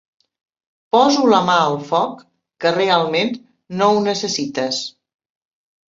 Poso la mà al foc que realment no ho necessites.